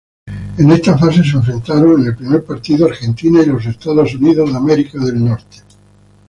En esta fase se enfrentaron en el primer partido Argentina y Estados Unidos.